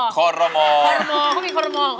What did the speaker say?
คอรมอก็มีคอรมอเข้าไปด้วย